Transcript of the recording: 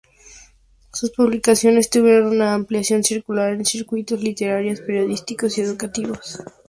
Sus publicaciones tuvieron una amplia circulación en círculos literarios, periodísticos y educativos.